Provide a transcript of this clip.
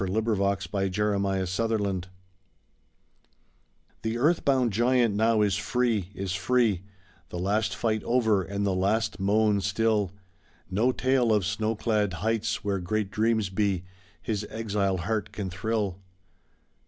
THE SAD YEARS THE TREE UPROOTED THE earth bound giant now is free, is free; The last fight over, and the last moan still; No tale of snow clad heights where great dreams be, His exile heart can thrill.